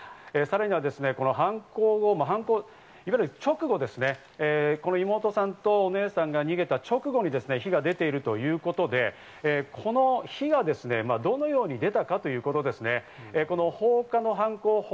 さらには犯行直後、妹さんとお姉さんが逃げた直後に火が出ているということで、この火はどのように出たかということです。